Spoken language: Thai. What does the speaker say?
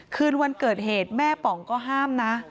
คืนวันเกิดเหตุแม่ป๋องก็ห้ามนะ